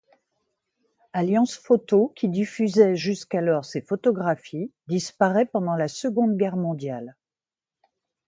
Alliance-Photo, qui diffusait jusqu'alors ses photographies, disparaît pendant la Seconde Guerre mondiale.